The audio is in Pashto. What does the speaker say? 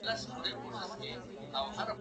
زه اوږده وخت کتابتون ته ځم وم،